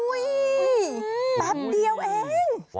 อุ๊ยแป๊บเดียวเอง